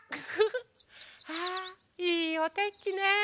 わあいいおてんきね。